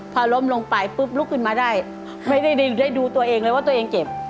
พอล้มลงไปปุ๊บลุกขึ้นมาได้ไม่ได้ดูตัวเองเลยว่าตัวเองเจ็บ